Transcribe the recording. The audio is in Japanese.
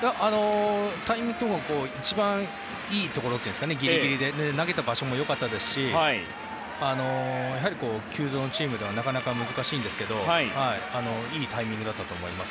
タイミングとか一番いいところといいますかギリギリで投げた場所もよかったですし急造のチームではなかなか難しいですがいいタイミングだったと思います。